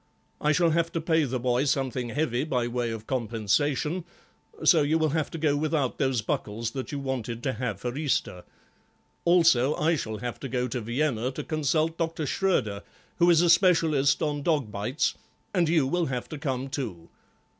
I shall have to pay the boy something heavy by way of compensation, so you will have to go without those buckles that you wanted to have for Easter; also I shall have to go to Vienna to consult Dr. Schroeder, who is a specialist on dog bites, and you will have to come too.